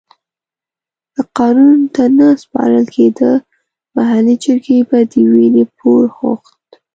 که قانون ته نه سپارل کېده محلي جرګې به د وينې پور غوښت.